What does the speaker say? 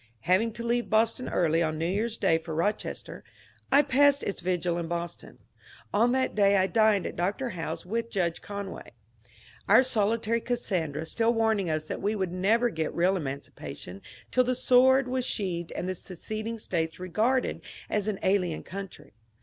Having to leave Boston early on New Year's Day for Eochester, I passed its vigil in Boston. On that day I dined at Dr. Howe's with Judge Conway, — our solitary Cassandra still warning us that we would never get real emancipation till the sword was sheathed and the seceding States regarded as an alien country.